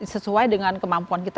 sesuai dengan kemampuan kita